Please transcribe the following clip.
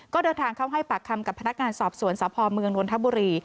ก็เดินทางเข้าให้ปากคำกับพนักงานสอบสวนสพเมืองนนทบุรี